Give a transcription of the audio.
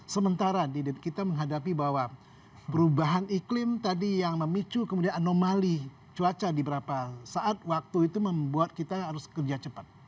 sementara kita menghadapi bahwa perubahan iklim tadi yang memicu kemudian anomali cuaca di beberapa saat waktu itu membuat kita harus kerja cepat